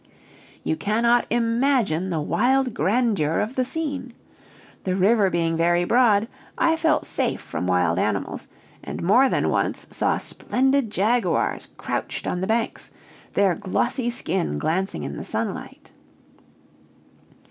You cannot imagine the wild grandeur of the scene! The river being very broad, I felt safe from wild animals, and more than once saw splendid jaguars crouched on the banks, their glossy skin glancing in the sunlight.